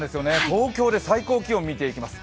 東京で最高気温を見ていきます。